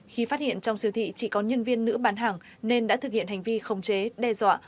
khi phát hiện trong siêu thị chỉ có nhân viên nữ bán hàng nên đã thực hiện hành vi khống chế đe dọa